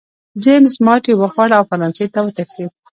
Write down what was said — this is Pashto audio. جېمز ماتې وخوړه او فرانسې ته وتښتېد.